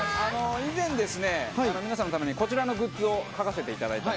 以前、皆さんのために、こちらのグッズを描かせていただいて。